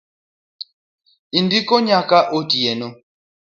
Andiko nyaka otieno